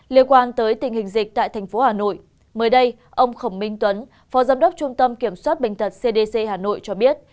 liên quan tới tình hình dịch tại tp hà nội mới đây ông khổng minh tuấn phó giám đốc trung tâm kiểm soát bệnh tật cdc hà nội cho biết